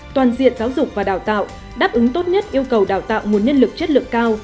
toàn diện giáo dục và đào tạo đáp ứng tốt nhất yêu cầu đào tạo nguồn nhân lực chất lượng cao